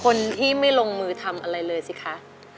คนที่ไม่ลงมือทำอะไรเลยสิคะ